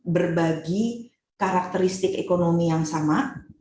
berbagi karakteristik ekonomi yang sama